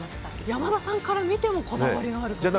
山田さんから見てもこだわりがある方と。